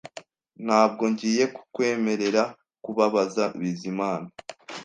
Ntabwo ngiye kukwemerera kubabaza Bizimana